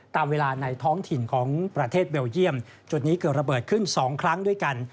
ตามเวลาในท้องถิ่นของประเทศเบลเยี่ยมจุดนี้เกิดระเบิดขึ้น๒ครั้งด้วยกัน